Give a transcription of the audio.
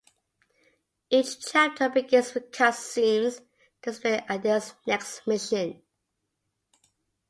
Each chapter begins with cut scenes to explain Adell's next mission.